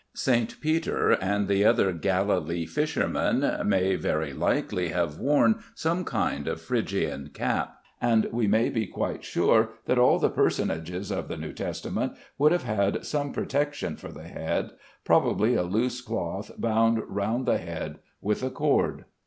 St. Peter and the other Galilee fishermen may very likely have worn some kind of Phrygian cap, and we may be quite sure that all the personages of the New Testament would have had some protection for the head; probably a loose cloth bound round the head with a cord.